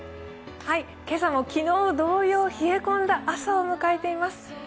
今朝も昨日同様冷え込んだ朝を迎えています。